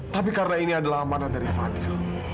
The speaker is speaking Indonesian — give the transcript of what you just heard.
tapi karena ini adalah amanah dari fadil